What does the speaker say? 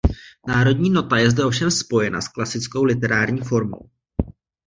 Národní nota je zde ovšem spojena s klasickou literární formou.